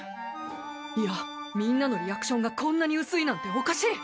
いやみんなのリアクションがこんなに薄いなんておかしい！